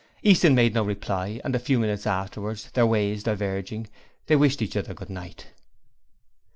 Easton made no reply and a few minutes afterwards, their ways diverging, they wished each other 'Good night'.